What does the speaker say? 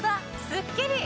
スッキリ！